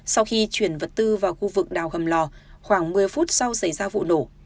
sau khi chuyển vật tư vào khu vực đào hầm lò khoảng một mươi phút sau xảy ra vụ nổ